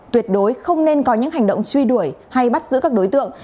tuyệt đối không nên có những hành động truy đuổi hay bắt giữ các đối tượng